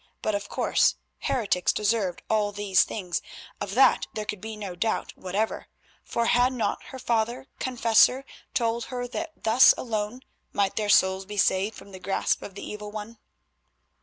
But of course heretics deserved all these things; of that there could be no doubt whatever, for had not her father confessor told her that thus alone might their souls be saved from the grasp of the Evil One?